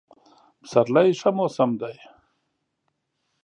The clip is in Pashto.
پسرلی ښه موسم دی.